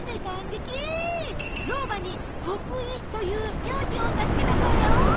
老婆に「国井」という名字を授けたそうよ。